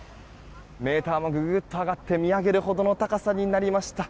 メーターもググッと上がって見上げるほどの高さになりました。